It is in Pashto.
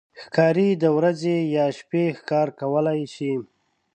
ښکاري د ورځې یا شپې ښکار کولی شي.